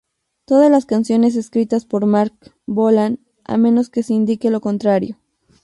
Todas las canciones escritas por Marc Bolan, a menos que se indique lo contrario.